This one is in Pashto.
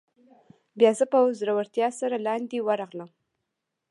بیا زه په زړورتیا سره لاندې ورغلم.